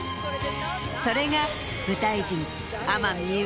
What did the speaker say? それが舞台人。